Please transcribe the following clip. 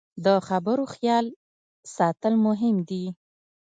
د خبرو خیال ساتل مهم دي